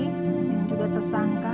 yang juga tersangka